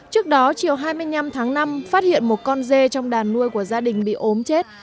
trước đó chiều hai mươi năm tháng năm phát hiện một con dê trong đàn nuôi của gia đình bị ốm chết